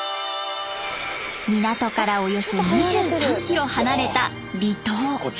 港からおよそ２３キロ離れた離島。